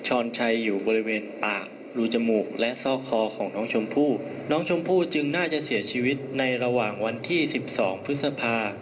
อยู่บริเวณปากรูจมูกและซอกคอของน้องชมพู่น้องชมพู่จึงน่าจะเสียชีวิตในระหว่างวันที่สิบสองพฤษภา